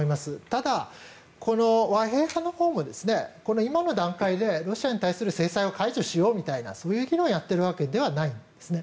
ただ、和平派のほうも今の段階でロシアに対する制裁を解除しようみたいなそういう議論をやっているわけではないんですね。